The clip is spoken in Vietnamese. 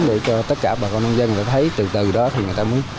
để cho tất cả bà con nông dân thấy từ từ đó thì người ta mới